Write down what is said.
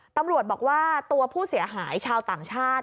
ตำรวจบอกว่าตัวผู้เสียหายชาวต่างชาติ